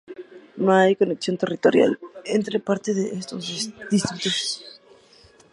No hay conexión territorial entre parte de estos distritos.